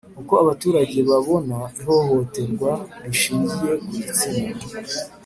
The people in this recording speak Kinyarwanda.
Uko abaturage babona ihohoterwa rishingiye ku gitsina